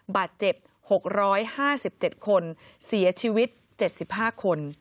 บาดเจ็บ๖๕๗คนเสียชีวิต๗๕คน